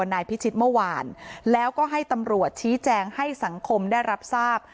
นายพิชิตเมื่อวานแล้วก็ให้ตำรวจชี้แจงให้สังคมได้รับทราบ